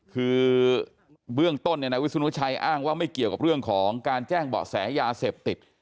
คือเบื้องต้นนายวิสุนุชัยอ้างว่าไม่เกี่ยวกับเรื่องของการแจ้งเบาะแสยาเสพติด